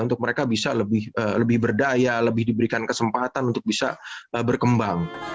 untuk mereka bisa lebih berdaya lebih diberikan kesempatan untuk bisa berkembang